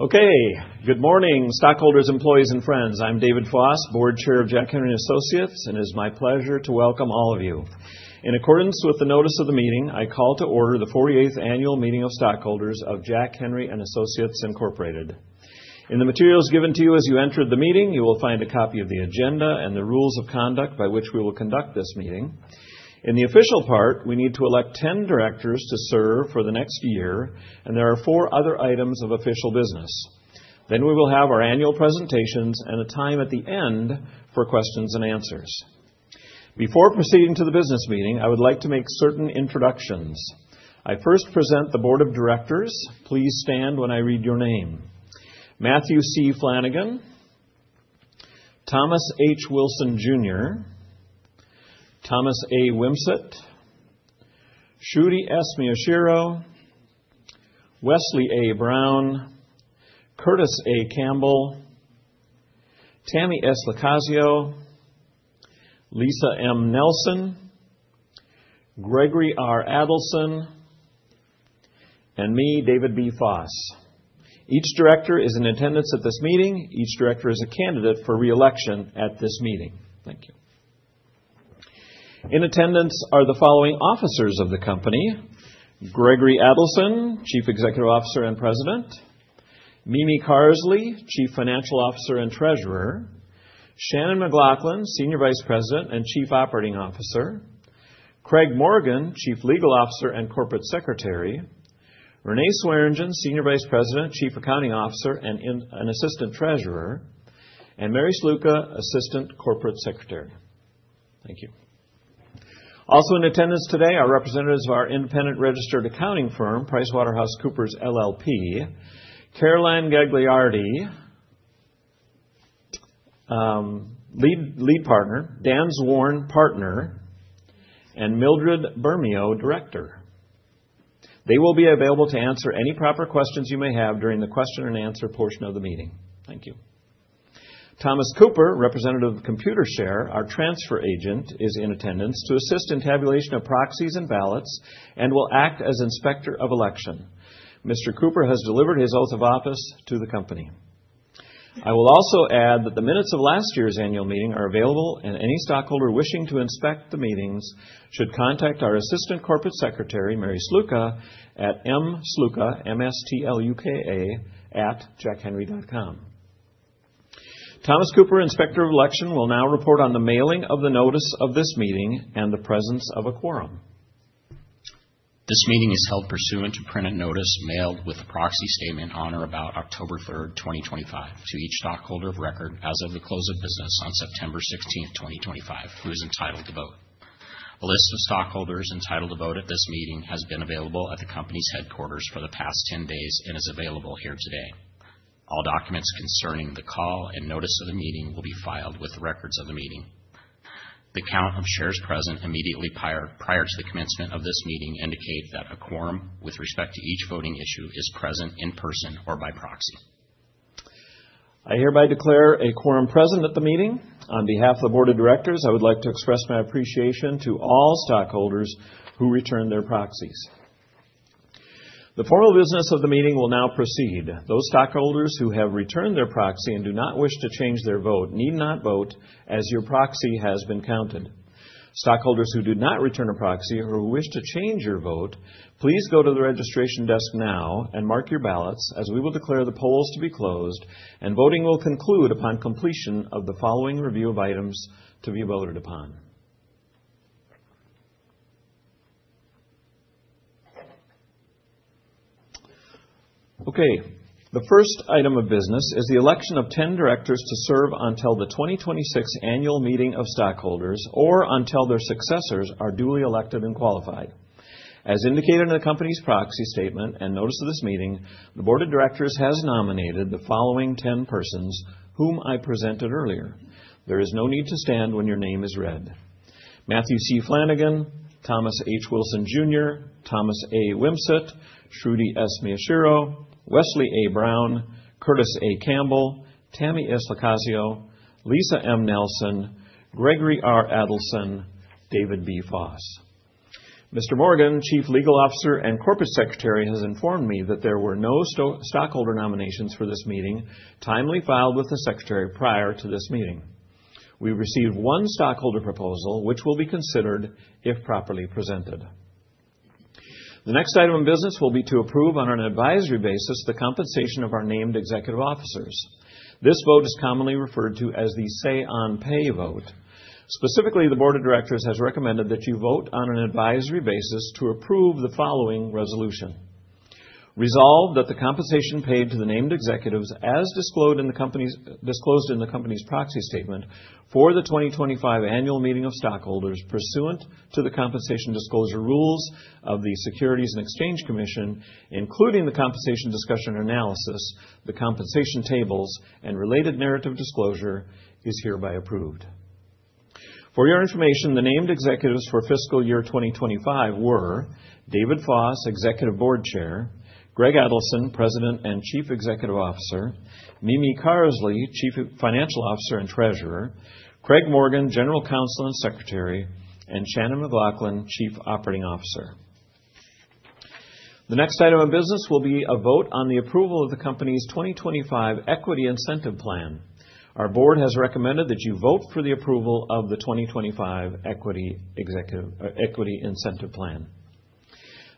Okay, good morning, stockholders, employees, and friends. I'm David Foss, Board Chair of Jack Henry & Associates, and it is my pleasure to welcome all of you. In accordance with the notice of the meeting, I call to order the 48th Annual Meeting of Stockholders of Jack Henry & Associates, Incorporated. In the materials given to you as you entered the meeting, you will find a copy of the agenda and the rules of conduct by which we will conduct this meeting. In the official part, we need to elect 10 directors to serve for the next year, and there are four other items of official business. Then we will have our annual presentations and a time at the end for questions and answers. Before proceeding to the business meeting, I would like to make certain introductions. I first present the board of directors. Please stand when I read your name. Matthew C. Flanagan, Thomas H. Wilson Jr., Thomas A. Wimsett, Shruti S. Miyashiro, Wesley A. Brown, Curtis A. Campbell, Tammy S. LoCascio, Lisa M. Nelson, Gregory R. Adelson, and me, David B. Foss. Each director is in attendance at this meeting. Each director is a candidate for re-election at this meeting. Thank you. In attendance are the following officers of the company: Gregory Adelson, Chief Executive Officer and President, Mimi Carsley, Chief Financial Officer and Treasurer, Shanon McLachlan, Senior Vice President and Chief Operating Officer, Craig Morgan, Chief Legal Officer and Corporate Secretary, Renee Swearingen, Senior Vice President, Chief Accounting Officer and an Assistant Treasurer, and Mary Stluka, Assistant Corporate Secretary. Thank you. Also in attendance today are representatives of our independent registered accounting firm, PricewaterhouseCoopers LLP, Caroline Gagliardi, lead partner, Dan Zorn, partner, and Mildred Bermeo, director. They will be available to answer any proper questions you may have during the question and answer portion of the meeting. Thank you. Thomas Cooper, representative of Computershare, our transfer agent, is in attendance to assist in tabulation of proxies and ballots and will act as inspector of election. Mr. Cooper has delivered his oath of office to the company. I will also add that the minutes of last year's annual meeting are available, and any stockholder wishing to inspect the meetings should contact our Assistant Corporate Secretary, Mary Stluka, at mstluka, M-S-T-L-U-K-A, at jackhenry.com. Thomas Cooper, inspector of election, will now report on the mailing of the notice of this meeting and the presence of a quorum. This meeting is held pursuant to printed notice mailed with a proxy statement on or about October 3rd, 2025, to each stockholder of record as of the close of business on September 16th, 2025, who is entitled to vote. A list of stockholders entitled to vote at this meeting has been available at the company's headquarters for the past 10 days and is available here today. All documents concerning the call and notice of the meeting will be filed with records of the meeting. The count of shares present immediately prior to the commencement of this meeting indicates that a quorum with respect to each voting issue is present in person or by proxy. I hereby declare a quorum present at the meeting. On behalf of the board of directors, I would like to express my appreciation to all stockholders who returned their proxies. The formal business of the meeting will now proceed. Those stockholders who have returned their proxy and do not wish to change their vote need not vote as your proxy has been counted. Stockholders who did not return a proxy or who wish to change your vote, please go to the registration desk now and mark your ballots as we will declare the polls to be closed and voting will conclude upon completion of the following review of items to be voted upon. Okay, the first item of business is the election of 10 directors to serve until the 2026 annual meeting of stockholders or until their successors are duly elected and qualified. As indicated in the company's proxy statement and notice of this meeting, the board of directors has nominated the following 10 persons whom I presented earlier. There is no need to stand when your name is read: Matthew C. Flanagan, Thomas H. Wilson Jr., Thomas A. Wimsett, Shruti S. Miyashiro, Wesley A. Brown, Curtis A. Campbell, Tammy S. LoCascio, Lisa M. Nelson, Gregory R. Adelson, David B. Foss. Mr. Morgan, Chief Legal Officer and Corporate Secretary, has informed me that there were no stockholder nominations for this meeting timely filed with the secretary prior to this meeting. We received one stockholder proposal which will be considered if properly presented. The next item of business will be to approve on an advisory basis the compensation of our named executive officers. This vote is commonly referred to as the say-on-pay vote. Specifically, the board of directors has recommended that you vote on an advisory basis to approve the following resolution: Resolve that the compensation paid to the named executives as disclosed in the company's proxy statement for the 2025 annual meeting of stockholders pursuant to the compensation disclosure rules of the Securities and Exchange Commission, including the compensation discussion analysis, the compensation tables, and related narrative disclosure, is hereby approved. For your information, the named executives for fiscal year 2025 were David Foss, Executive Board Chair; Greg Adelson, President and Chief Executive Officer; Mimi Carsley, Chief Financial Officer and Treasurer; Craig Morgan, General Counsel and Secretary; and Shanon McLachlan, Chief Operating Officer. The next item of business will be a vote on the approval of the company's 2025 Equity Incentive Plan. Our board has recommended that you vote for the approval of the 2025 Equity Incentive Plan.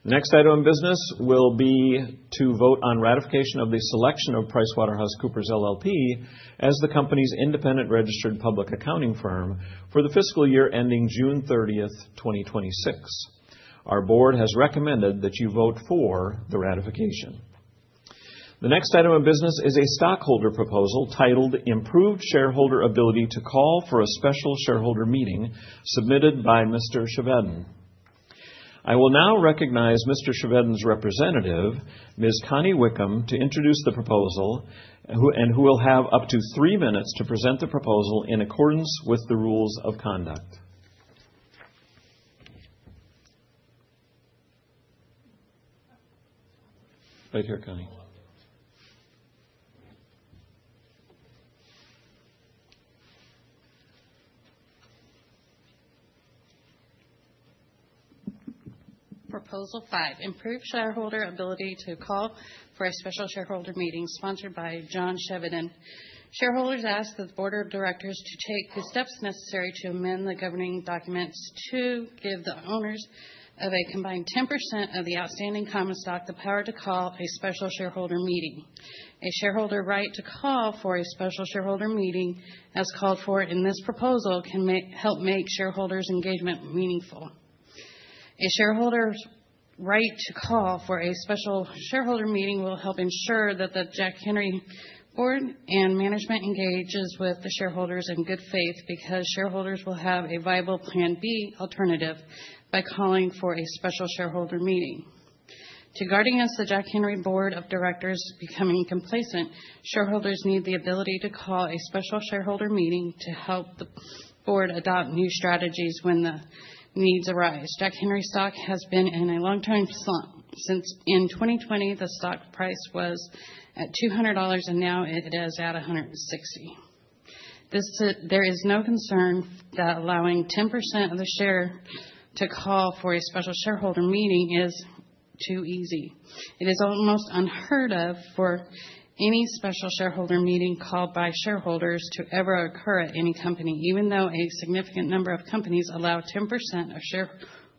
The next item of business will be to vote on ratification of the selection of PricewaterhouseCoopers LLP as the company's independent registered public accounting firm for the fiscal year ending June 30th, 2026. Our board has recommended that you vote for the ratification. The next item of business is a stockholder proposal titled Improved Shareholder Ability to Call for a Special Shareholder Meeting submitted by Mr. Chevedden. I will now recognize Mr. Chevedden's representative, Ms. Connie Wickham, to introduce the proposal and who will have up to three minutes to present the proposal in accordance with the rules of conduct. Right here, Connie. Proposal 5, Improved Shareholder Ability to Call for a Special Shareholder Meeting sponsored by John Chevedden. Shareholders ask that the board of directors take the steps necessary to amend the governing documents to give the owners of a combined 10% of the outstanding common stock the power to call a special shareholder meeting. A shareholder right to call for a special shareholder meeting, as called for in this proposal, can help make shareholders' engagement meaningful. A shareholder's right to call for a special shareholder meeting will help ensure that the Jack Henry Board and management engages with the shareholders in good faith because shareholders will have a viable plan B alternative by calling for a special shareholder meeting. To guard against the Jack Henry Board of Directors becoming complacent, shareholders need the ability to call a special shareholder meeting to help the board adopt new strategies when the needs arise. Jack Henry stock has been in a long-term slump. In 2020, the stock price was at $200, and now it is at $160. There is no concern that allowing 10% of the shares to call for a special shareholder meeting is too easy. It is almost unheard of for any special shareholder meeting called by shareholders to ever occur at any company, even though a significant number of companies allow 10% of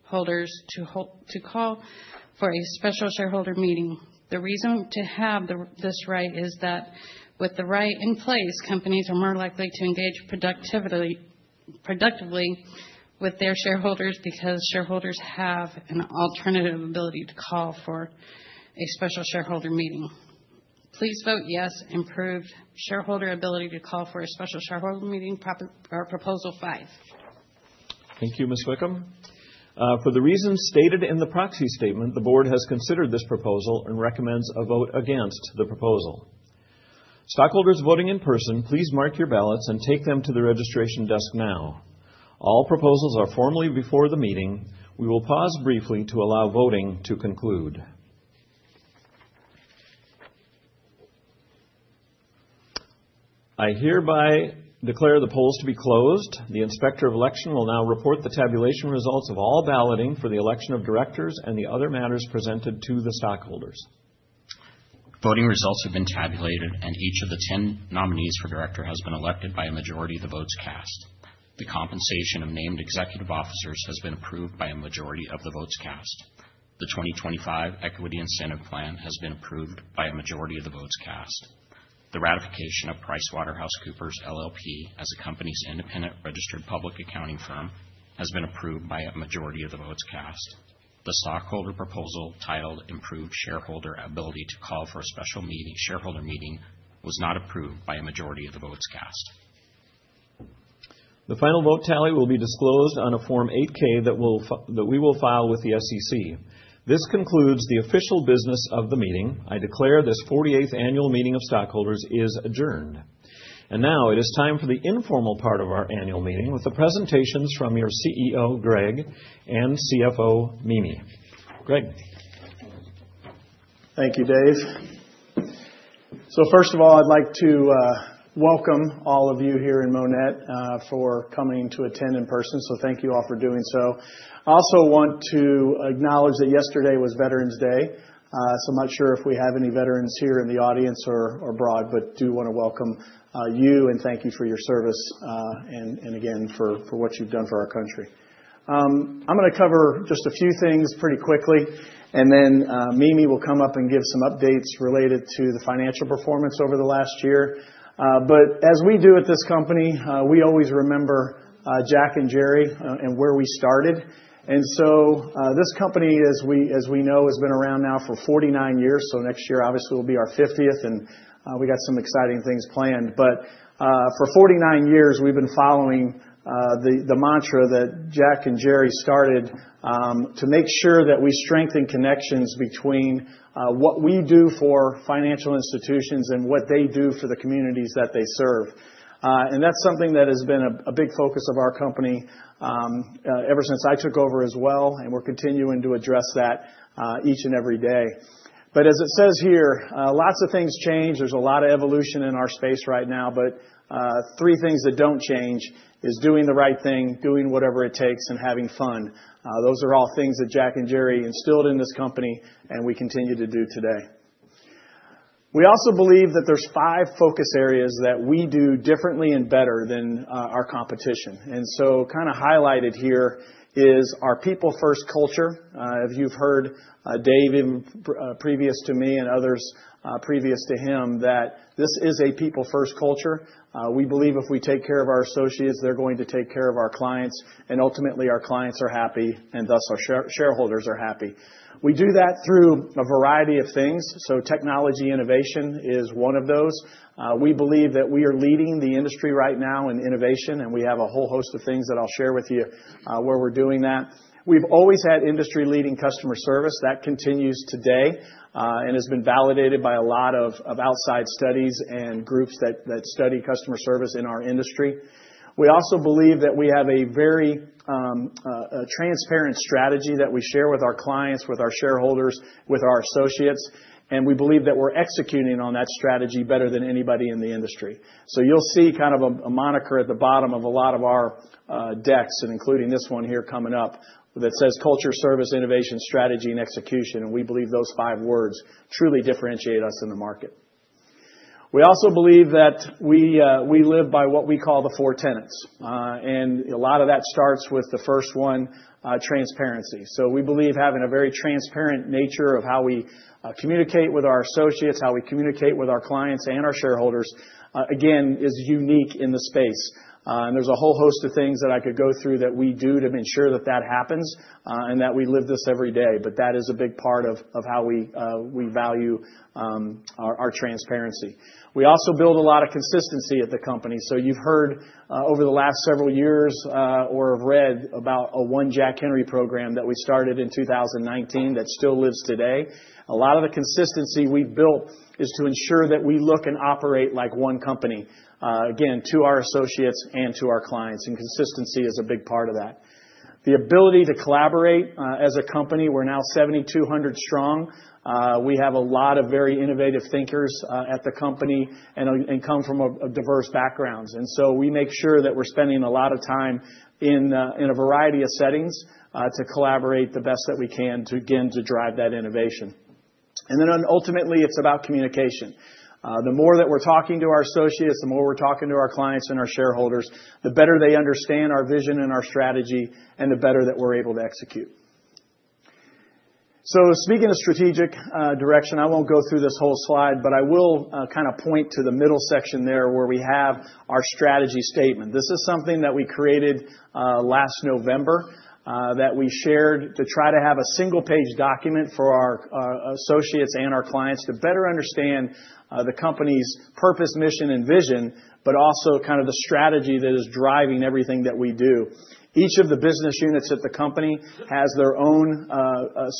shareholders to call for a special shareholder meeting. The reason to have this right is that with the right in place, companies are more likely to engage productively with their shareholders because shareholders have an alternative ability to call for a special shareholder meeting. Please vote yes, improved shareholder ability to call for a special shareholder meeting Proposal 5. Thank you, Ms. Wickham. For the reasons stated in the proxy statement, the board has considered this proposal and recommends a vote against the proposal. Stockholders voting in person, please mark your ballots and take them to the registration desk now. All proposals are formally before the meeting. We will pause briefly to allow voting to conclude. I hereby declare the polls to be closed. The inspector of election will now report the tabulation results of all balloting for the election of directors and the other matters presented to the stockholders. Voting results have been tabulated, and each of the 10 nominees for director has been elected by a majority of the votes cast. The compensation of named executive officers has been approved by a majority of the votes cast. The 2025 Equity Incentive Plan has been approved by a majority of the votes cast. The ratification of PricewaterhouseCoopers LLP as the company's independent registered public accounting firm has been approved by a majority of the votes cast. The stockholder proposal titled Improved Shareholder Ability to Call for a Special Shareholder Meeting was not approved by a majority of the votes cast. The final vote tally will be disclosed on a Form 8-K that we will file with the SEC. This concludes the official business of the meeting. I declare this 48th Annual Meeting of Stockholders is adjourned. And now it is time for the informal part of our annual meeting with the presentations from your CEO, Greg, and CFO, Mimi. Greg. Thank you, Dave. So first of all, I'd like to welcome all of you here in Monett for coming to attend in person, so thank you all for doing so. I also want to acknowledge that yesterday was Veterans Day, so I'm not sure if we have any veterans here in the audience or abroad, but do want to welcome you and thank you for your service and again for what you've done for our country. I'm going to cover just a few things pretty quickly, and then Mimi will come up and give some updates related to the financial performance over the last year. As we do at this company, we always remember Jack and Jerry and where we started. And so this company, as we know, has been around now for 49 years, so next year obviously will be our 50th, and we got some exciting things planned. But for 49 years, we've been following the mantra that Jack and Jerry started to make sure that we strengthen connections between what we do for financial institutions and what they do for the communities that they serve. And that's something that has been a big focus of our company ever since I took over as well, and we're continuing to address that each and every day. But as it says here, lots of things change. There's a lot of evolution in our space right now, but three things that don't change are doing the right thing, doing whatever it takes, and having fun. Those are all things that Jack and Jerry instilled in this company and we continue to do today. We also believe that there are five focus areas that we do differently and better than our competition. And so kind of highlighted here is our people-first culture. If you've heard David previous to me and others previous to him, that this is a people-first culture. We believe if we take care of our associates, they're going to take care of our clients, and ultimately our clients are happy and thus our shareholders are happy. We do that through a variety of things, so technology innovation is one of those. We believe that we are leading the industry right now in innovation, and we have a whole host of things that I'll share with you where we're doing that. We've always had industry-leading customer service. That continues today and has been validated by a lot of outside studies and groups that study customer service in our industry. We also believe that we have a very transparent strategy that we share with our clients, with our shareholders, with our associates, and we believe that we're executing on that strategy better than anybody in the industry. So you'll see kind of a moniker at the bottom of a lot of our decks, including this one here coming up, that says Culture, Service, Innovation, Strategy, and Execution, and we believe those five words truly differentiate us in the market. We also believe that we live by what we call the four tenets, and a lot of that starts with the first one, transparency. So we believe having a very transparent nature of how we communicate with our associates, how we communicate with our clients and our shareholders, again, is unique in the space. And there's a whole host of things that I could go through that we do to ensure that that happens and that we live this every day, but that is a big part of how we value our transparency. We also build a lot of consistency at the company, so you've heard over the last several years or have read about a One Jack Henry program that we started in 2019 that still lives today. A lot of the consistency we've built is to ensure that we look and operate like one company, again, to our associates and to our clients, and consistency is a big part of that. The ability to collaborate as a company, we're now 7,200 strong. We have a lot of very innovative thinkers at the company and come from diverse backgrounds, and so we make sure that we're spending a lot of time in a variety of settings to collaborate the best that we can to, again, drive that innovation. And then ultimately, it's about communication. The more that we're talking to our associates, the more we're talking to our clients and our shareholders, the better they understand our vision and our strategy and the better that we're able to execute. So speaking of strategic direction, I won't go through this whole slide, but I will kind of point to the middle section there where we have our strategy statement. This is something that we created last November that we shared to try to have a single-page document for our associates and our clients to better understand the company's purpose, mission, and vision, but also kind of the strategy that is driving everything that we do. Each of the business units at the company has their own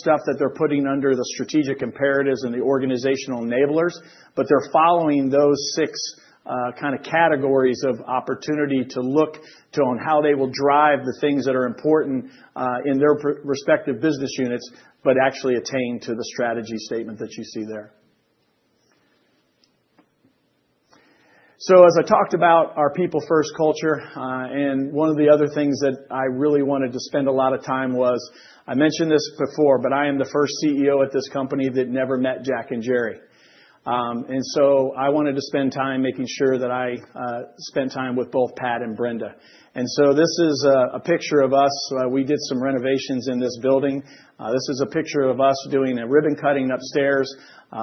stuff that they're putting under the strategic imperatives and the organizational enablers, but they're following those six kind of categories of opportunity to look to on how they will drive the things that are important in their respective business units, but actually attain to the strategy statement that you see there. So as I talked about our people-first culture, and one of the other things that I really wanted to spend a lot of time was. I mentioned this before, but I am the first CEO at this company that never met Jack and Jerry. And so I wanted to spend time making sure that I spent time with both Pat and Brenda. And so this is a picture of us. We did some renovations in this building. This is a picture of us doing a ribbon cutting upstairs.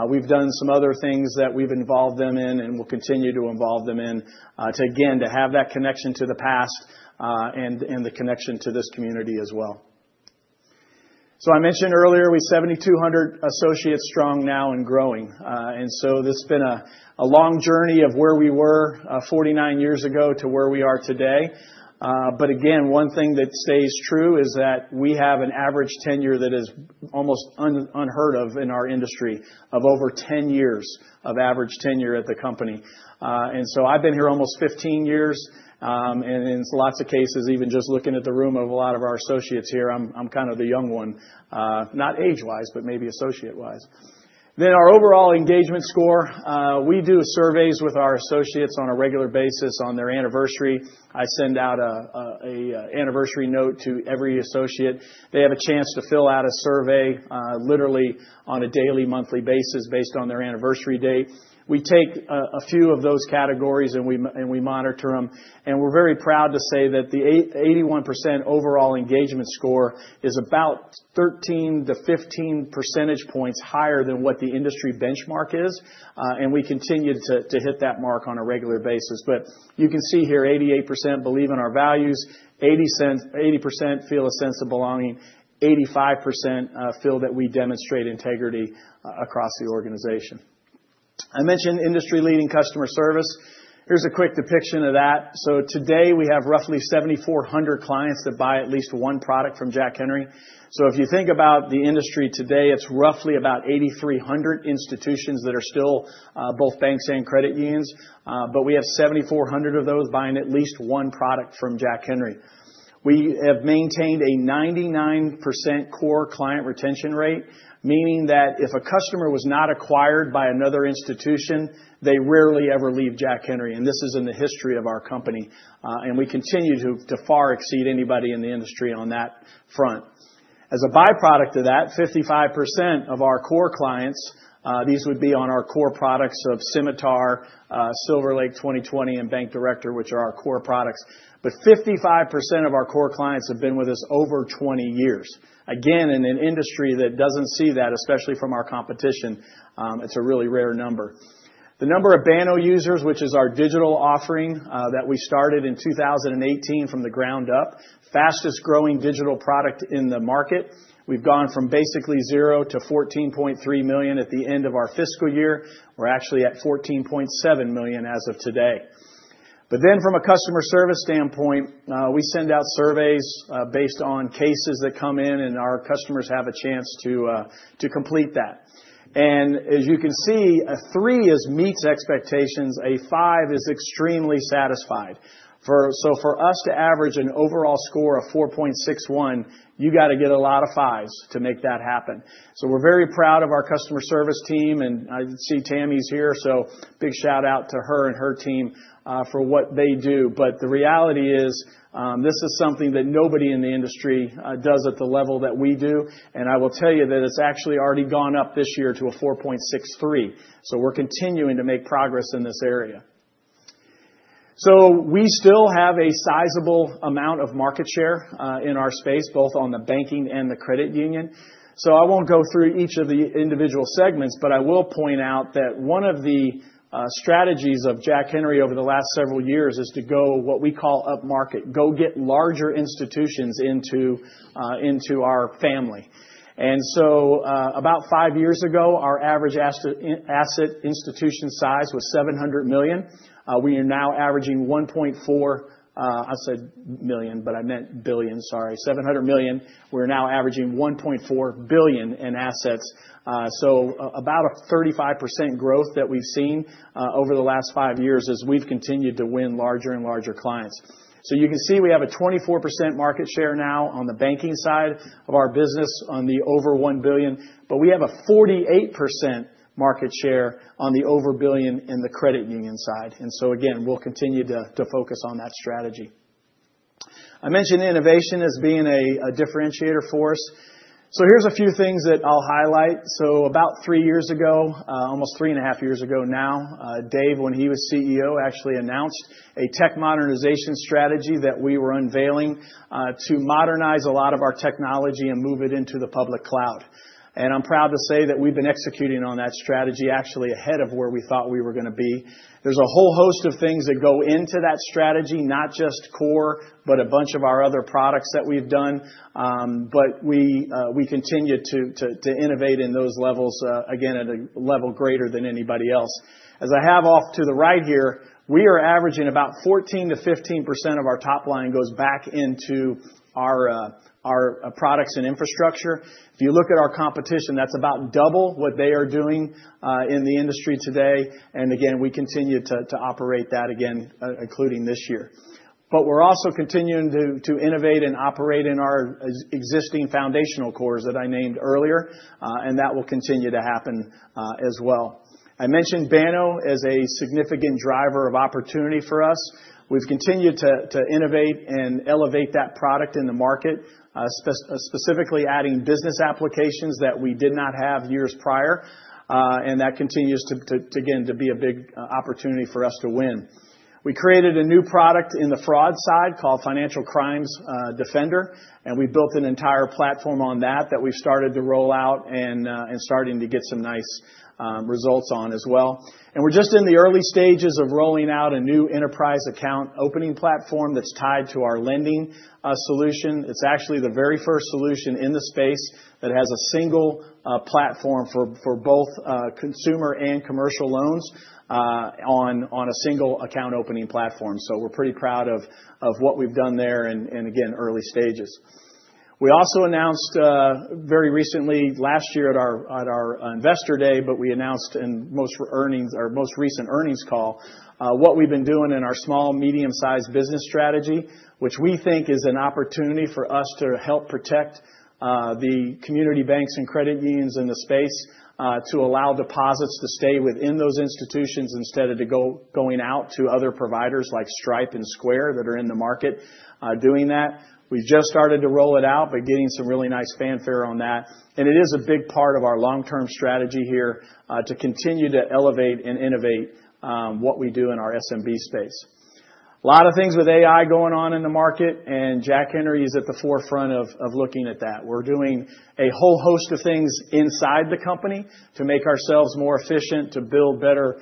We've done some other things that we've involved them in and will continue to involve them in, to again, to have that connection to the past and the connection to this community as well. So I mentioned earlier we're 7,200 associates strong now and growing, and so this has been a long journey of where we were 49 years ago to where we are today. But again, one thing that stays true is that we have an average tenure that is almost unheard of in our industry of over 10 years of average tenure at the company. And so I've been here almost 15 years, and in lots of cases, even just looking at the room of a lot of our associates here, I'm kind of the young one, not age-wise, but maybe associate-wise. Then our overall engagement score. We do surveys with our associates on a regular basis on their anniversary. I send out an anniversary note to every associate. They have a chance to fill out a survey literally on a daily, monthly basis based on their anniversary date. We take a few of those categories and we monitor them, and we're very proud to say that the 81% overall engagement score is about 13 to 15 percentage points higher than what the industry benchmark is, and we continue to hit that mark on a regular basis. But you can see here, 88% believe in our values, 80% feel a sense of belonging, 85% feel that we demonstrate integrity across the organization. I mentioned industry-leading customer service. Here's a quick depiction of that. So today we have roughly 7,400 clients that buy at least one product from Jack Henry. So if you think about the industry today, it's roughly about 8,300 institutions that are still both banks and credit unions, but we have 7,400 of those buying at least one product from Jack Henry. We have maintained a 99% core client retention rate, meaning that if a customer was not acquired by another institution, they rarely ever leave Jack Henry, and this is in the history of our company, and we continue to far exceed anybody in the industry on that front. As a byproduct of that, 55% of our core clients, these would be on our core products of Symitar, SilverLake 20/20, and Bank Director, which are our core products, but 55% of our core clients have been with us over 20 years. Again, in an industry that doesn't see that, especially from our competition, it's a really rare number. The number of Banno users, which is our digital offering that we started in 2018 from the ground up, fastest growing digital product in the market. We've gone from basically zero to 14.3 million at the end of our fiscal year. We're actually at 14.7 million as of today, but then from a customer service standpoint, we send out surveys based on cases that come in, and our customers have a chance to complete that, and as you can see, a three meets expectations. A five is extremely satisfied, so for us to average an overall score of 4.61, you got to get a lot of fives to make that happen, so we're very proud of our customer service team, and I see Tammy's here, so big shout out to her and her team for what they do, but the reality is this is something that nobody in the industry does at the level that we do, and I will tell you that it's actually already gone up this year to a 4.63, so we're continuing to make progress in this area. So we still have a sizable amount of market share in our space, both on the banking and the credit union. So I won't go through each of the individual segments, but I will point out that one of the strategies of Jack Henry over the last several years is to go what we call upmarket, go get larger institutions into our family. And so about five years ago, our average asset institution size was 700 million. We are now averaging 1.4. I said million, but I meant billion, sorry, 700 million. We're now averaging 1.4 billion in assets. So about a 35% growth that we've seen over the last five years as we've continued to win larger and larger clients. So you can see we have a 24% market share now on the banking side of our business on the over $1 billion, but we have a 48% market share on the over $1 billion in the credit union side. And so again, we'll continue to focus on that strategy. I mentioned innovation as being a differentiator for us. So here's a few things that I'll highlight. So about three years ago, almost three and a half years ago now, Dave, when he was CEO, actually announced a tech modernization strategy that we were unveiling to modernize a lot of our technology and move it into the public cloud. And I'm proud to say that we've been executing on that strategy actually ahead of where we thought we were going to be. There's a whole host of things that go into that strategy, not just core, but a bunch of our other products that we've done, but we continue to innovate in those levels, again, at a level greater than anybody else. As I have off to the right here, we are averaging about 14%-15% of our top line goes back into our products and infrastructure. If you look at our competition, that's about double what they are doing in the industry today, and again, we continue to operate that again, including this year. We're also continuing to innovate and operate in our existing foundational cores that I named earlier, and that will continue to happen as well. I mentioned Banno as a significant driver of opportunity for us. We've continued to innovate and elevate that product in the market, specifically adding business applications that we did not have years prior, and that continues to, again, be a big opportunity for us to win. We created a new product in the fraud side called Financial Crimes Defender, and we built an entire platform on that that we've started to roll out and starting to get some nice results on as well. And we're just in the early stages of rolling out a new enterprise account opening platform that's tied to our lending solution. It's actually the very first solution in the space that has a single platform for both consumer and commercial loans on a single account opening platform. So we're pretty proud of what we've done there and, again, early stages. We also announced very recently last year at our investor day, but we announced in most recent earnings call what we've been doing in our small, medium-sized business strategy, which we think is an opportunity for us to help protect the community banks and credit unions in the space to allow deposits to stay within those institutions instead of going out to other providers like Stripe and Square that are in the market doing that. We've just started to roll it out, but getting some really nice fanfare on that. And it is a big part of our long-term strategy here to continue to elevate and innovate what we do in our SMB space. A lot of things with AI going on in the market, and Jack Henry is at the forefront of looking at that. We're doing a whole host of things inside the company to make ourselves more efficient, to build better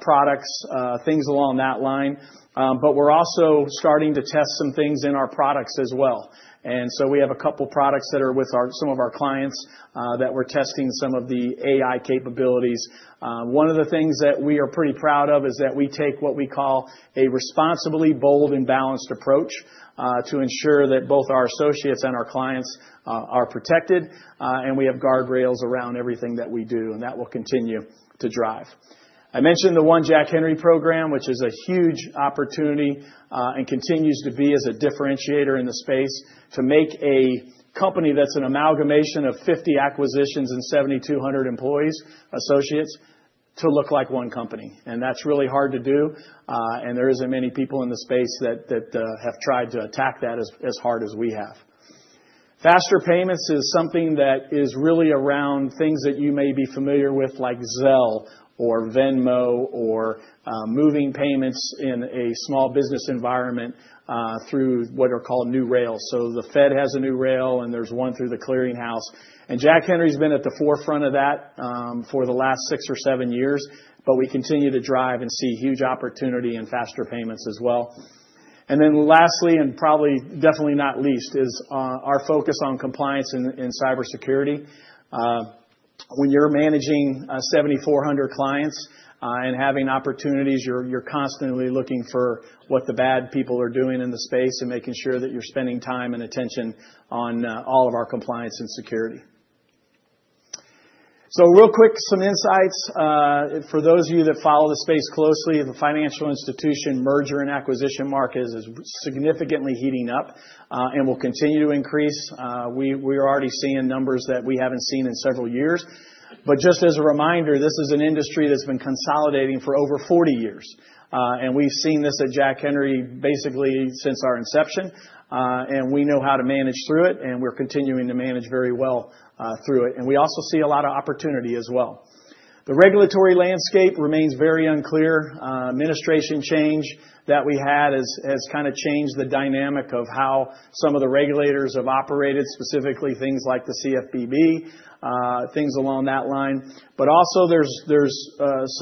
products, things along that line. But we're also starting to test some things in our products as well. And so we have a couple of products that are with some of our clients that we're testing some of the AI capabilities. One of the things that we are pretty proud of is that we take what we call a responsibly bold and balanced approach to ensure that both our associates and our clients are protected, and we have guardrails around everything that we do, and that will continue to drive. I mentioned the One Jack Henry program, which is a huge opportunity and continues to be as a differentiator in the space to make a company that's an amalgamation of 50 acquisitions and 7,200 employees, associates, to look like one company. And that's really hard to do, and there aren't many people in the space that have tried to attack that as hard as we have. Faster payments is something that is really around things that you may be familiar with like Zelle or Venmo or moving payments in a small business environment through what are called new rails. So the Fed has a new rail, and there's one through The Clearing House. And Jack Henry's been at the forefront of that for the last six or seven years, but we continue to drive and see huge opportunity in faster payments as well. And then lastly, and probably definitely not least, is our focus on compliance and cybersecurity. When you're managing 7,400 clients and having opportunities, you're constantly looking for what the bad people are doing in the space and making sure that you're spending time and attention on all of our compliance and security. So real quick, some insights. For those of you that follow the space closely, the financial institution merger and acquisition market is significantly heating up and will continue to increase. We are already seeing numbers that we haven't seen in several years. But just as a reminder, this is an industry that's been consolidating for over 40 years, and we've seen this at Jack Henry basically since our inception, and we know how to manage through it, and we're continuing to manage very well through it. And we also see a lot of opportunity as well. The regulatory landscape remains very unclear. Administration change that we had has kind of changed the dynamic of how some of the regulators have operated, specifically things like the CFPB, things along that line. But also there's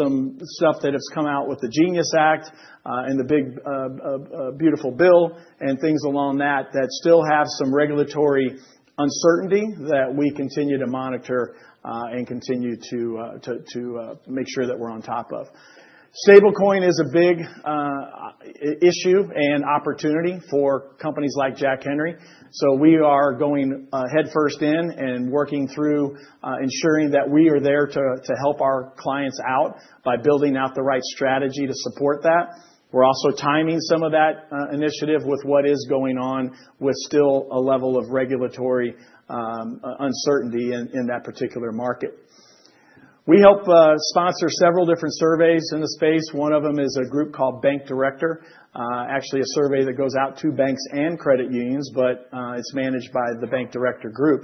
some stuff that has come out with the GENIUS Act and the big beautiful bill and things along that that still have some regulatory uncertainty that we continue to monitor and continue to make sure that we're on top of. Stablecoin is a big issue and opportunity for companies like Jack Henry. So we are going headfirst in and working through ensuring that we are there to help our clients out by building out the right strategy to support that. We're also timing some of that initiative with what is going on with still a level of regulatory uncertainty in that particular market. We help sponsor several different surveys in the space. One of them is a group called Bank Director, actually a survey that goes out to banks and credit unions, but it's managed by the Bank Director group.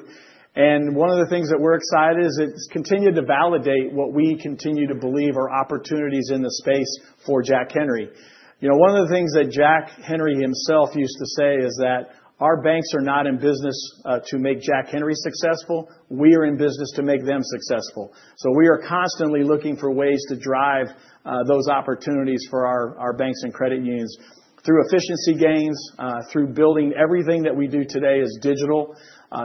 And one of the things that we're excited is it's continued to validate what we continue to believe are opportunities in the space for Jack Henry. One of the things that Jack Henry himself used to say is that our banks are not in business to make Jack Henry successful. We are in business to make them successful. So we are constantly looking for ways to drive those opportunities for our banks and credit unions through efficiency gains, through building everything that we do today as digital,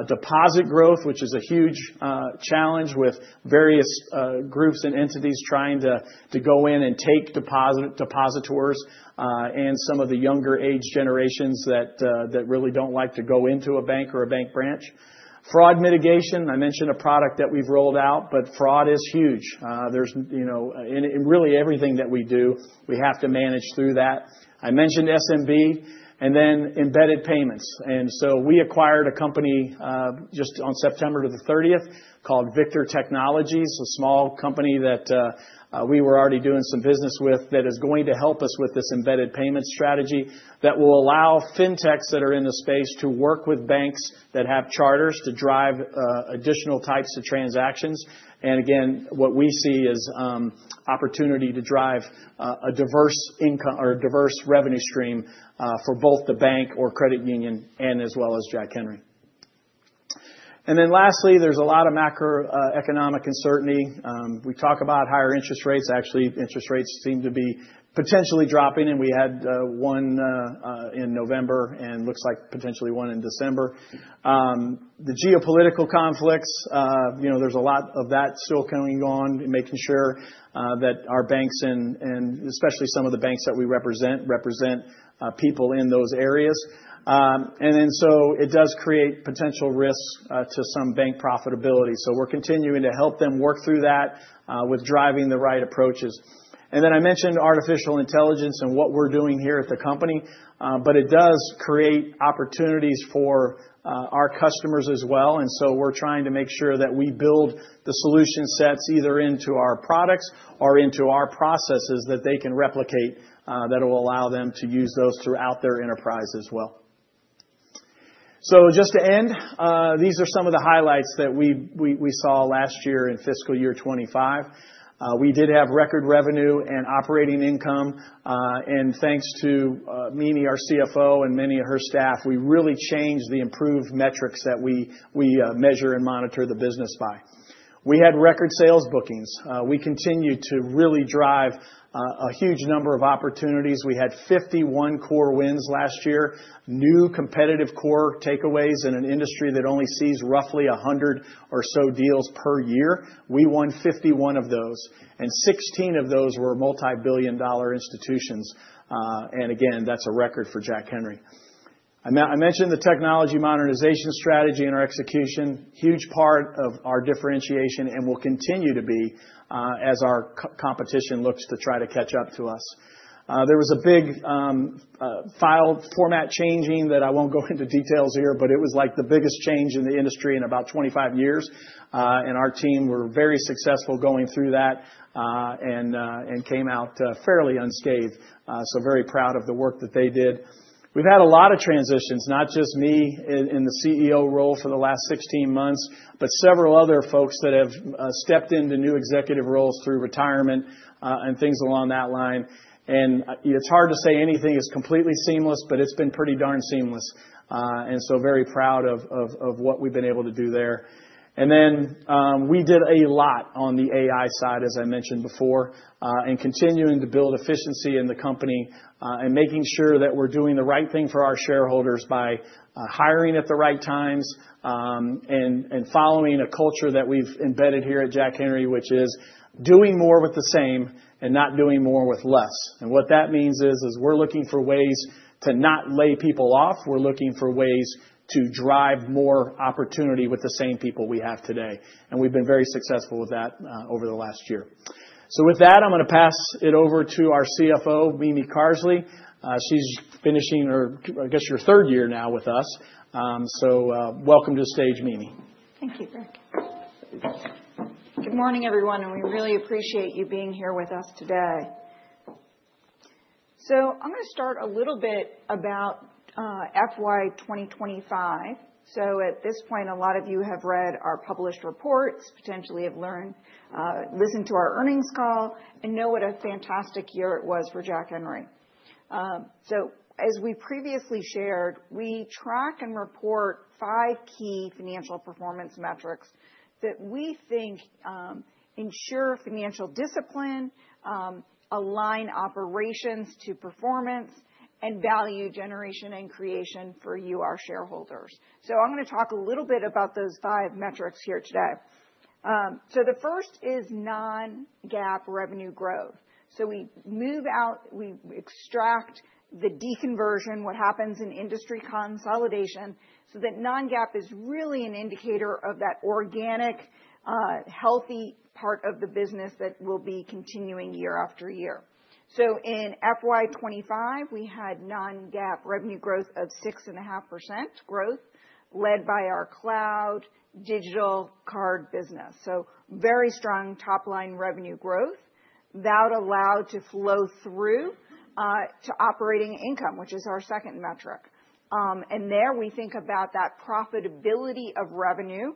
deposit growth, which is a huge challenge with various groups and entities trying to go in and take depositors and some of the younger age generations that really don't like to go into a bank or a bank branch. Fraud mitigation, I mentioned a product that we've rolled out, but fraud is huge. Really, everything that we do, we have to manage through that. I mentioned SMB and then embedded payments. We acquired a company just on September the 30th called Victor Technologies, a small company that we were already doing some business with that is going to help us with this embedded payment strategy that will allow fintechs that are in the space to work with banks that have charters to drive additional types of transactions. Again, what we see is opportunity to drive a diverse revenue stream for both the bank or credit union and as well as Jack Henry. Lastly, there is a lot of macroeconomic uncertainty. We talk about higher interest rates. Actually, interest rates seem to be potentially dropping, and we had one in November and looks like potentially one in December. The geopolitical conflicts, there is a lot of that still going on, making sure that our banks and especially some of the banks that we represent represent people in those areas. And then so it does create potential risks to some bank profitability. So we're continuing to help them work through that with driving the right approaches. And then I mentioned artificial intelligence and what we're doing here at the company, but it does create opportunities for our customers as well. And so we're trying to make sure that we build the solution sets either into our products or into our processes that they can replicate that will allow them to use those throughout their enterprise as well. So just to end, these are some of the highlights that we saw last year in fiscal year 2025. We did have record revenue and operating income. And thanks to Mimi, our CFO, and many of her staff, we really changed the improved metrics that we measure and monitor the business by. We had record sales bookings. We continue to really drive a huge number of opportunities. We had 51 core wins last year, new competitive core takeaways in an industry that only sees roughly 100 or so deals per year. We won 51 of those, and 16 of those were multi-billion-dollar institutions. And again, that's a record for Jack Henry. I mentioned the technology modernization strategy and our execution, huge part of our differentiation and will continue to be as our competition looks to try to catch up to us. There was a big file format changing that I won't go into details here, but it was like the biggest change in the industry in about 25 years. And our team were very successful going through that and came out fairly unscathed. So very proud of the work that they did. We've had a lot of transitions, not just me in the CEO role for the last 16 months, but several other folks that have stepped into new executive roles through retirement and things along that line. And it's hard to say anything is completely seamless, but it's been pretty darn seamless. And so very proud of what we've been able to do there. And then we did a lot on the AI side, as I mentioned before, and continuing to build efficiency in the company and making sure that we're doing the right thing for our shareholders by hiring at the right times and following a culture that we've embedded here at Jack Henry, which is doing more with the same and not doing more with less. And what that means is we're looking for ways to not lay people off. We're looking for ways to drive more opportunity with the same people we have today. And we've been very successful with that over the last year. So with that, I'm going to pass it over to our CFO, Mimi Carsley. She's finishing her, I guess, your third year now with us. So welcome to the stage, Mimi. Thank you, Greg. Good morning, everyone, and we really appreciate you being here with us today. So I'm going to start a little bit about FY 2025. So at this point, a lot of you have read our published reports, potentially have learned, listened to our earnings call, and know what a fantastic year it was for Jack Henry. So as we previously shared, we track and report five key financial performance metrics that we think ensure financial discipline, align operations to performance, and value generation and creation for you, our shareholders. So I'm going to talk a little bit about those five metrics here today. So the first is non-GAAP revenue growth. So we move out, we extract the deconversion, what happens in industry consolidation, so that non-GAAP is really an indicator of that organic, healthy part of the business that will be continuing year after year. In FY 25, we had non-GAAP revenue growth of 6.5% led by our cloud digital card business. Very strong top-line revenue growth that allowed to flow through to operating income, which is our second metric. There we think about that profitability of revenue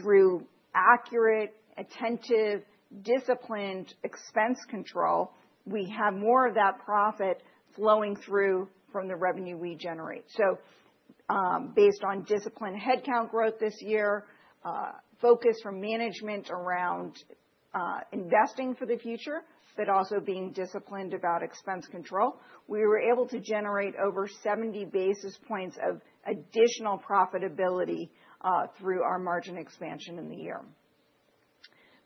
through accurate, attentive, disciplined expense control. We have more of that profit flowing through from the revenue we generate. Based on disciplined headcount growth this year, focus from management around investing for the future, but also being disciplined about expense control, we were able to generate over 70 basis points of additional profitability through our margin expansion in the year.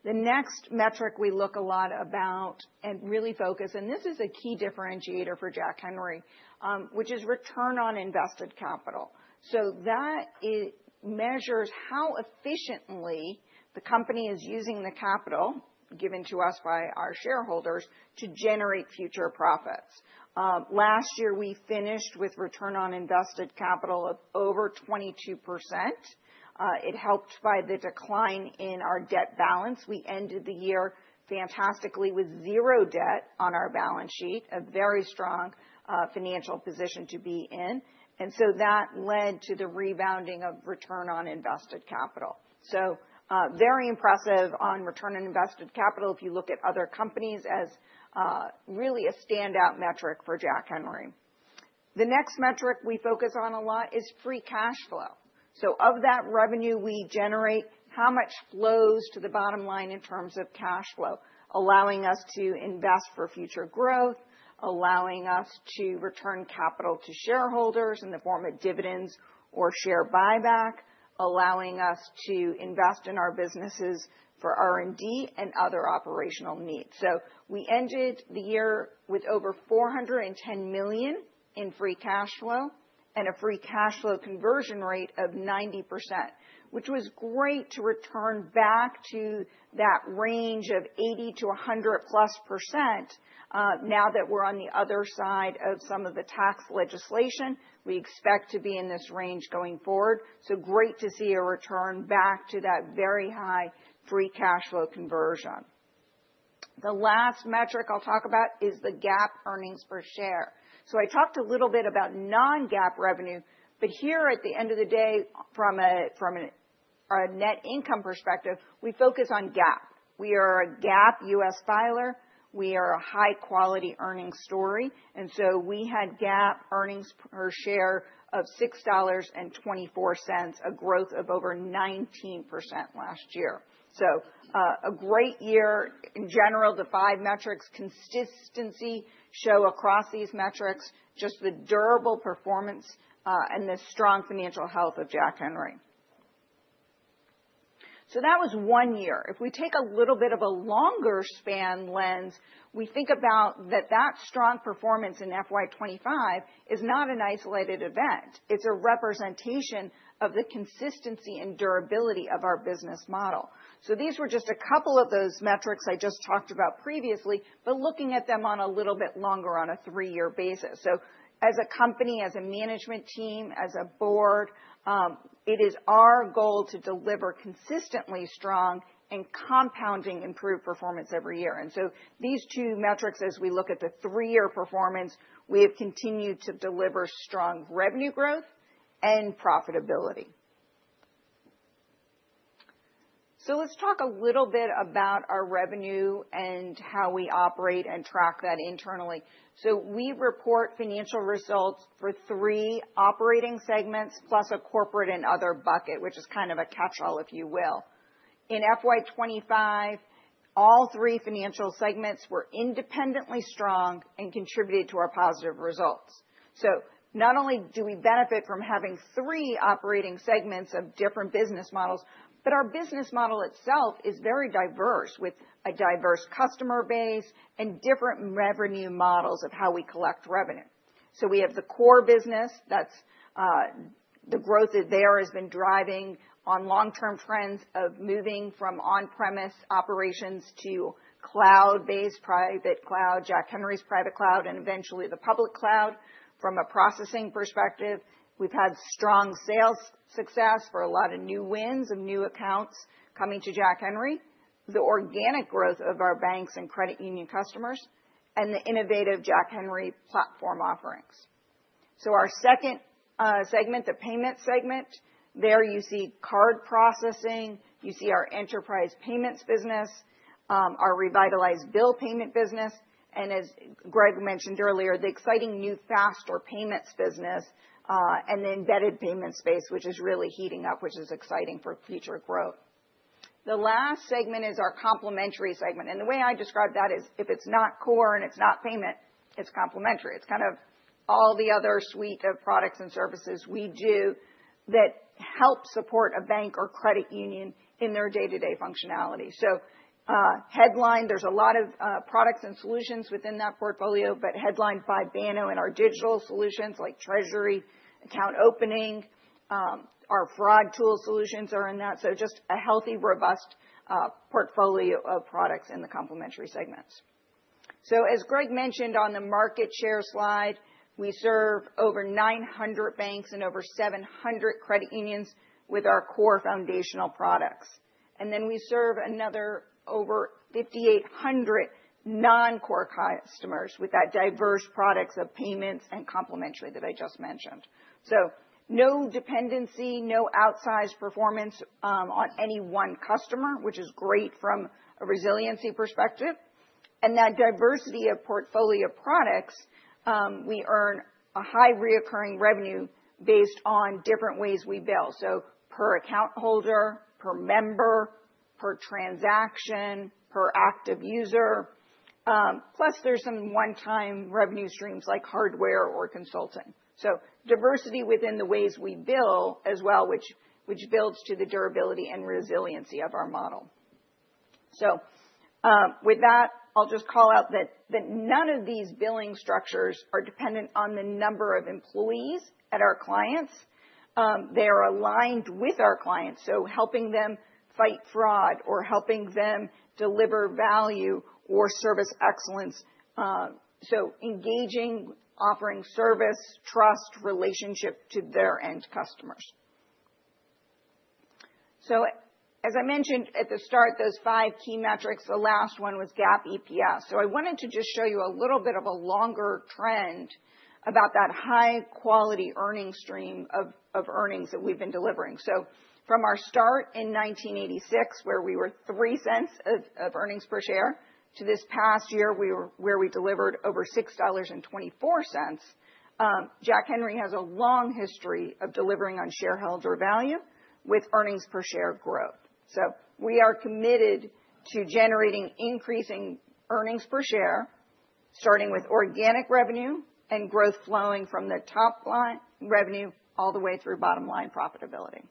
The next metric we look a lot about and really focus, and this is a key differentiator for Jack Henry, which is return on invested capital. So that measures how efficiently the company is using the capital given to us by our shareholders to generate future profits. Last year, we finished with return on invested capital of over 22%. It helped by the decline in our debt balance. We ended the year fantastically with zero debt on our balance sheet, a very strong financial position to be in. And so that led to the rebounding of return on invested capital. So very impressive on return on invested capital. If you look at other companies, it's really a standout metric for Jack Henry. The next metric we focus on a lot is free cash flow. Of that revenue we generate, how much flows to the bottom line in terms of cash flow, allowing us to invest for future growth, allowing us to return capital to shareholders in the form of dividends or share buyback, allowing us to invest in our businesses for R&D and other operational needs. We ended the year with over $410 million in free cash flow and a free cash flow conversion rate of 90%, which was great to return back to that range of 80%-100%+. Now that we're on the other side of some of the tax legislation, we expect to be in this range going forward. Great to see a return back to that very high free cash flow conversion. The last metric I'll talk about is the GAAP earnings per share. So I talked a little bit about non-GAAP revenue, but here at the end of the day, from a net income perspective, we focus on GAAP. We are a GAAP U.S. filer. We are a high-quality earnings story. And so we had GAAP earnings per share of $6.24, a growth of over 19% last year. So a great year in general. The five metrics consistency show across these metrics just the durable performance and the strong financial health of Jack Henry. So that was one year. If we take a little bit of a longer span lens, we think about that strong performance in FY 25 is not an isolated event. It's a representation of the consistency and durability of our business model. These were just a couple of those metrics I just talked about previously, but looking at them a little bit longer on a three-year basis. As a company, as a management team, as a board, it is our goal to deliver consistently strong and compounding improved performance every year. These two metrics, as we look at the three-year performance, we have continued to deliver strong revenue growth and profitability. Let's talk a little bit about our revenue and how we operate and track that internally. We report financial results for three operating segments plus a corporate and other bucket, which is kind of a catchall, if you will. In FY 25, all three financial segments were independently strong and contributed to our positive results. So not only do we benefit from having three operating segments of different business models, but our business model itself is very diverse with a diverse customer base and different revenue models of how we collect revenue. So we have the core business that's the growth that there has been driving on long-term trends of moving from on-premise operations to cloud-based private cloud, Jack Henry's private cloud, and eventually the public cloud. From a processing perspective, we've had strong sales success for a lot of new wins of new accounts coming to Jack Henry, the organic growth of our banks and credit union customers, and the innovative Jack Henry platform offerings. So our second segment, the payment segment, there you see card processing, you see our enterprise payments business, our revitalized bill payment business, and as Greg mentioned earlier, the exciting new faster payments business and the embedded payment space, which is really heating up, which is exciting for future growth. The last segment is our complementary segment. And the way I describe that is if it's not core and it's not payment, it's complementary. It's kind of all the other suite of products and services we do that help support a bank or credit union in their day-to-day functionality. So headline, there's a lot of products and solutions within that portfolio, but headlined by Banno and our digital solutions like treasury account opening, our fraud tool solutions are in that. So just a healthy, robust portfolio of products in the complementary segments. So as Greg mentioned on the market share slide, we serve over 900 banks and over 700 credit unions with our core foundational products. And then we serve another over 5,800 non-core customers with that diverse products of payments and complementary that I just mentioned. So no dependency, no outsized performance on any one customer, which is great from a resiliency perspective. And that diversity of portfolio products, we earn a high recurring revenue based on different ways we bill. So per account holder, per member, per transaction, per active user. Plus there's some one-time revenue streams like hardware or consulting. So diversity within the ways we bill as well, which builds to the durability and resiliency of our model. So with that, I'll just call out that none of these billing structures are dependent on the number of employees at our clients. They are aligned with our clients, so helping them fight fraud or helping them deliver value or service excellence. So engaging, offering service, trust, relationship to their end customers. So as I mentioned at the start, those five key metrics, the last one was GAAP EPS. So I wanted to just show you a little bit of a longer trend about that high-quality earnings stream of earnings that we've been delivering. So from our start in 1986, where we were $0.03 earnings per share to this past year where we delivered over $6.24, Jack Henry has a long history of delivering on shareholder value with earnings per share growth. So we are committed to generating increasing earnings per share, starting with organic revenue and growth flowing from the top line revenue all the way through bottom line profitability.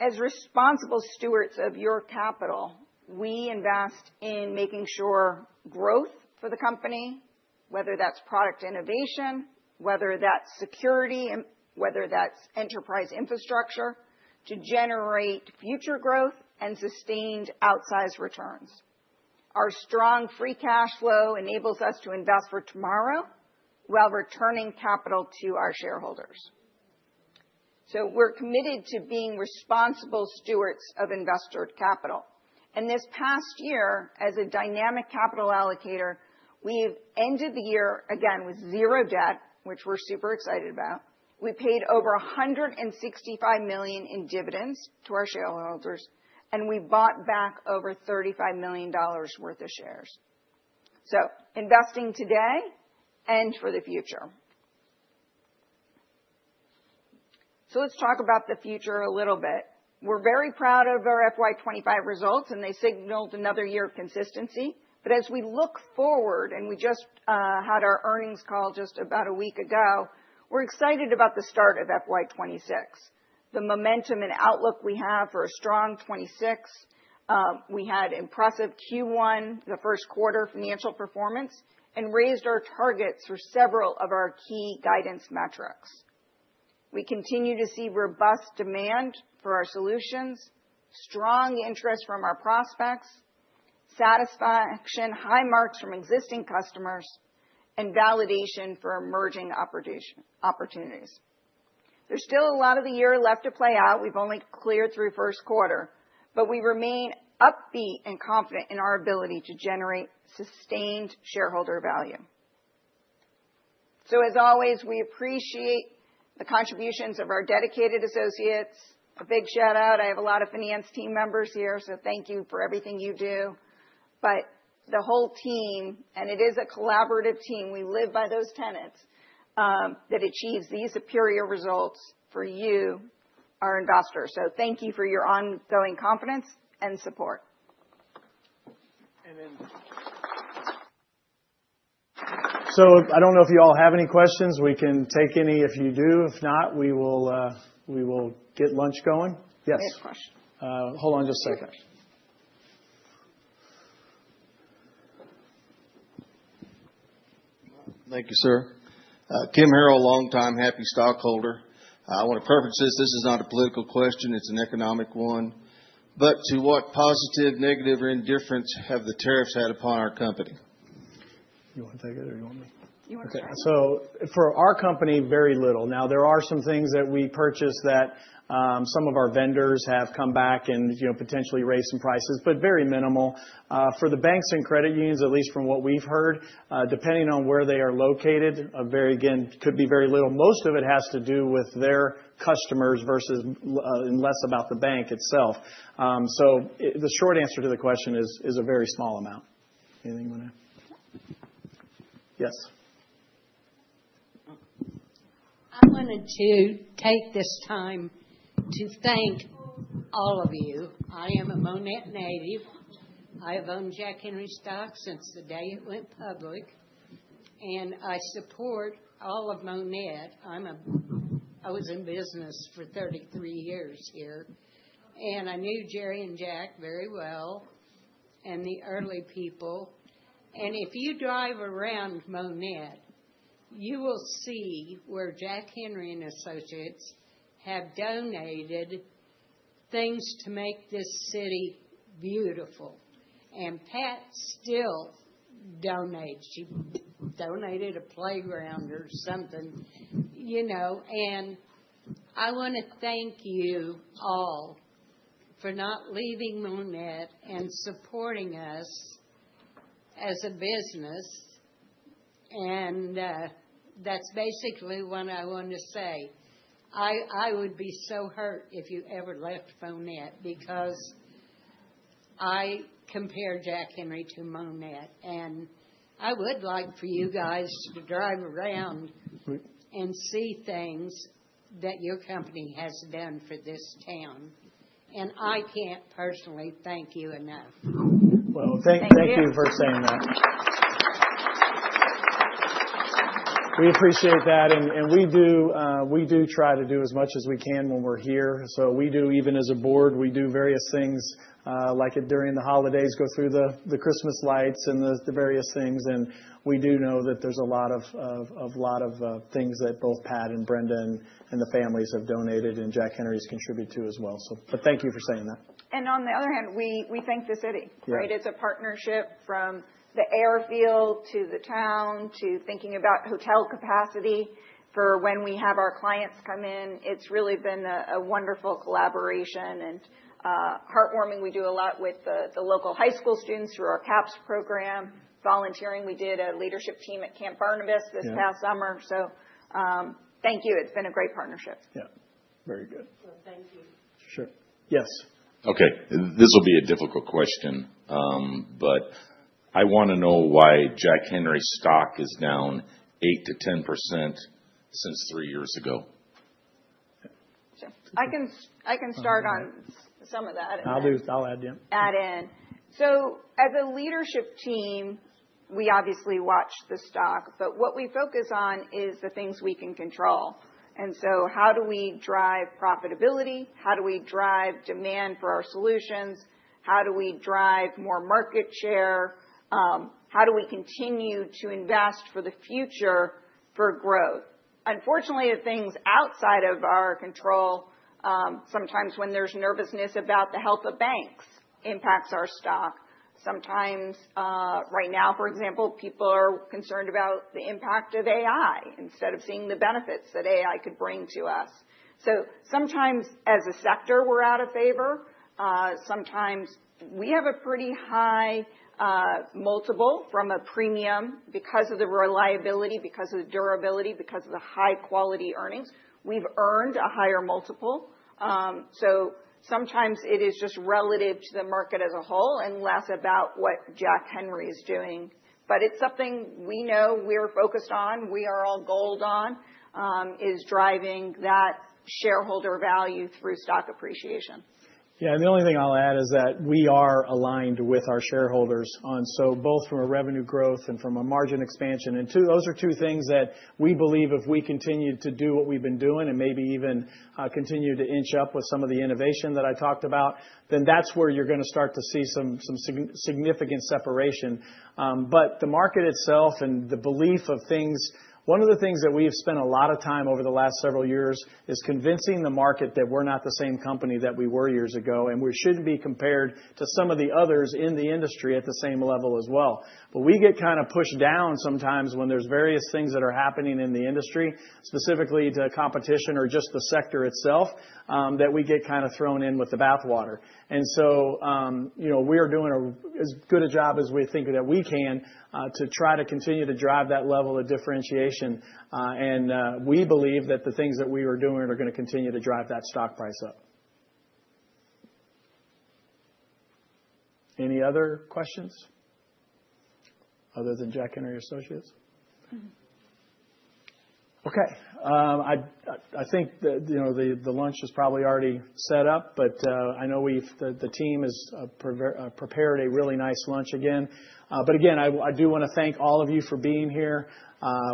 As responsible stewards of your capital, we invest in making sure growth for the company, whether that's product innovation, whether that's security, whether that's enterprise infrastructure to generate future growth and sustained outsized returns. Our strong free cash flow enables us to invest for tomorrow while returning capital to our shareholders. We're committed to being responsible stewards of investor capital. This past year, as a dynamic capital allocator, we've ended the year again with zero debt, which we're super excited about. We paid over $165 million in dividends to our shareholders, and we bought back over $35 million worth of shares. Investing today and for the future. Let's talk about the future a little bit. We're very proud of our FY 25 results, and they signaled another year of consistency. But as we look forward, and we just had our earnings call just about a week ago, we're excited about the start of FY 2026. The momentum and outlook we have for a strong 2026. We had impressive Q1, the first quarter financial performance, and raised our targets for several of our key guidance metrics. We continue to see robust demand for our solutions, strong interest from our prospects, satisfaction, high marks from existing customers, and validation for emerging opportunities. There's still a lot of the year left to play out. We've only cleared through first quarter, but we remain upbeat and confident in our ability to generate sustained shareholder value. So as always, we appreciate the contributions of our dedicated associates. A big shout out. I have a lot of finance team members here, so thank you for everything you do. But the whole team, and it is a collaborative team. We live by those tenets that achieves these superior results for you, our investors. So thank you for your ongoing confidence and support. And then. So I don't know if you all have any questions. We can take any if you do. If not, we will get lunch going. Yes. Hold on just a second. Thank you, sir. Kim Harrell, long-time happy stockholder. I want to preface this. This is not a political question. It's an economic one. But to what positive, negative, or indifference have the tariffs had upon our company? You want to take it or you want me? You want to take it. Okay. So for our company, very little. Now, there are some things that we purchase that some of our vendors have come back and potentially raised some prices, but very minimal. For the banks and credit unions, at least from what we've heard, depending on where they are located, again, could be very little. Most of it has to do with their customers versus less about the bank itself. So the short answer to the question is a very small amount. Anything you want to add? Yes. I wanted to take this time to thank all of you. I am a Monett native. I have owned Jack Henry stock since the day it went public. And I support all of Monett. I was in business for 33 years here. And I knew Jerry and Jack very well and the early people. And if you drive around Monett, you will see where Jack Henry & Associates have donated things to make this city beautiful. And Pat still donates. She donated a playground or something. And I want to thank you all for not leaving Monett and supporting us as a business. And that's basically what I want to say. I would be so hurt if you ever left Monett because I compare Jack Henry to Monett. And I would like for you guys to drive around and see things that your company has done for this town. And I can't personally thank you enough. Well, thank you for saying that. We appreciate that. And we do try to do as much as we can when we're here. So we do, even as a board, we do various things like during the holidays, go through the Christmas lights and the various things. And we do know that there's a lot of things that both Pat and Brenda and the families have donated and Jack Henry has contributed to as well. But thank you for saying that. And on the other hand, we thank the city, right? It's a partnership from the airfield to the town to thinking about hotel capacity for when we have our clients come in. It's really been a wonderful collaboration and heartwarming. We do a lot with the local high school students through our CAPS program. Volunteering, we did a leadership team at Camp Barnabas this past summer. So thank you. It's been a great partnership. Yeah. Very good. Thank you. Sure. Yes. Okay. This will be a difficult question, but I want to know why Jack Henry stock is down 8%-10% since three years ago. I can start on some of that. I'll add in. Add in. So as a leadership team, we obviously watch the stock, but what we focus on is the things we can control. And so how do we drive profitability? How do we drive demand for our solutions? How do we drive more market share? How do we continue to invest for the future for growth? Unfortunately, things outside of our control, sometimes when there's nervousness about the health of banks, impacts our stock. Sometimes, right now, for example, people are concerned about the impact of AI instead of seeing the benefits that AI could bring to us. So sometimes, as a sector, we're out of favor. Sometimes we have a pretty high multiple from a premium because of the reliability, because of the durability, because of the high-quality earnings. We've earned a higher multiple. So sometimes it is just relative to the market as a whole and less about what Jack Henry is doing. But it's something we know we're focused on, we are all in on, is driving that shareholder value through stock appreciation. Yeah. And the only thing I'll add is that we are aligned with our shareholders on both from a revenue growth and from a margin expansion. And those are two things that we believe if we continue to do what we've been doing and maybe even continue to inch up with some of the innovation that I talked about, then that's where you're going to start to see some significant separation. But the market itself and the belief of things, one of the things that we've spent a lot of time over the last several years is convincing the market that we're not the same company that we were years ago, and we shouldn't be compared to some of the others in the industry at the same level as well. But we get kind of pushed down sometimes when there's various things that are happening in the industry, specifically to competition or just the sector itself, that we get kind of thrown in with the bathwater. And so we are doing as good a job as we think that we can to try to continue to drive that level of differentiation. And we believe that the things that we were doing are going to continue to drive that stock price up. Any other questions other than Jack Henry & Associates? Okay. I think the lunch is probably already set up, but I know the team has prepared a really nice lunch again. But again, I do want to thank all of you for being here.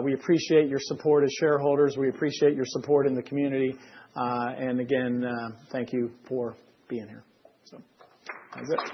We appreciate your support as shareholders. We appreciate your support in the community. And again, thank you for being here. So that's it.